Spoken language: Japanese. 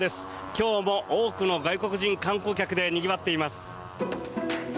今日も多くの外国人観光客でにぎわっています。